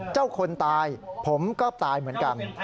คนตายผมก็ตายเหมือนกัน